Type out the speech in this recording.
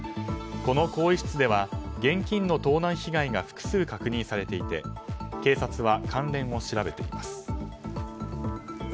この更衣室では現金の盗難被害が複数確認されていて警察は関連を調べています。